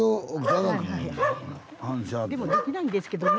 でもできないんですけどね。